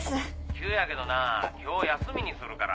急やけどな今日休みにするから。